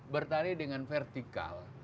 bertani dengan vertikal